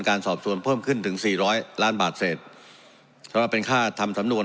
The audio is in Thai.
การสอบสวนเพิ่มขึ้นถึงสี่ร้อยล้านบาทเศษสำหรับเป็นค่าทำสำนวน